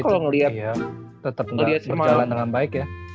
gue ngeliat tetep berjalan dengan baik ya